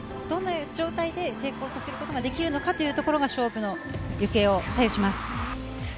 どんな状態で成功させることができるのかというところが勝負の行方を左右します。